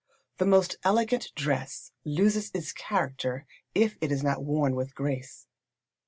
The most elegant dress loses its character if it is not worn with grace.